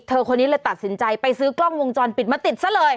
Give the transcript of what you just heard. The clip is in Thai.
คนนี้เลยตัดสินใจไปซื้อกล้องวงจรปิดมาติดซะเลย